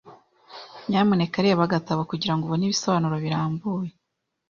Nyamuneka reba agatabo kugirango ubone ibisobanuro birambuye.